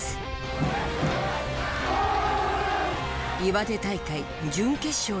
岩手大会準決勝での事。